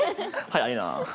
早いな。